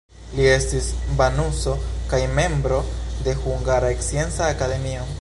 Li estis banuso kaj membro de Hungara Scienca Akademio.